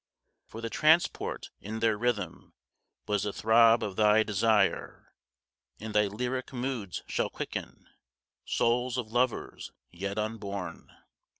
For the transport in their rhythm Was the throb of thy desire, And thy lyric moods shall quicken 35 Souls of lovers yet unborn.